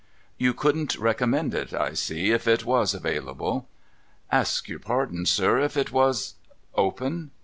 * You couldn't recommend it, I see, if it was available ?'* Ask your pardon, sir. If it was ?'' Open